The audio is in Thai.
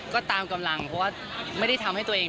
ก็ตามกำลังเพราะว่าไม่ได้ทำให้ตัวเอง